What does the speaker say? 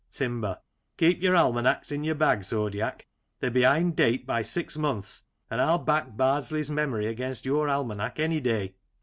Timber: Keep your almanacs in your bag, Zodiac; they're behind date by six months, and I'll back Bardsley's memory against your almanac any day.